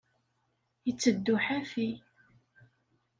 Itteddu ḥafi.